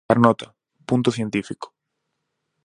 Carnota, punto científico.